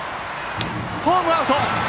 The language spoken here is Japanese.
ホームはアウト！